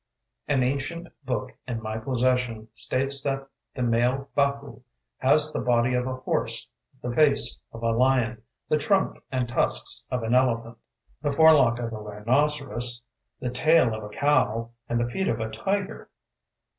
An ancient book in my possession states that the male Baku has the body of a horse, the face of a lion, the trunk and tusks of an elephant, the forelock of a rhinoceros, the tail of a cow, and the feet of a tiger.